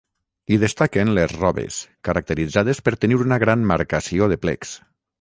Hi destaquen les robes, caracteritzades per tenir una gran marcació de plecs.